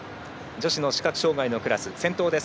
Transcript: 女子の視覚障がいのクラス先頭です。